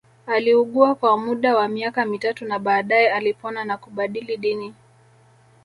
Aliugua kwa muda wa miaka mitatu na baadae alipona na kubadili dini